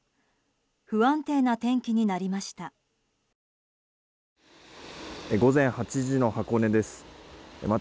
不安定な天気になりました。